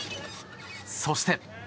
そして。